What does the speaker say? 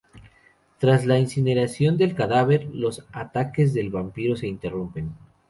Tras la incineración del cadáver, los ataques del vampiro se interrumpen.